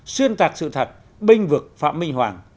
xuyên tạc sự thật binh vực phạm minh hoàng